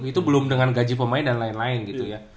itu belum dengan gaji pemain dan lain lain gitu ya